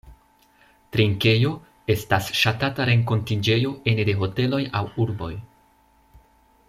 Trinkejo estas ŝatata renkontiĝejo ene de hoteloj aŭ urboj.